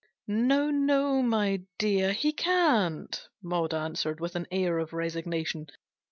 " No, no, rny dear, he can't," Maud answered, with an air of resignation.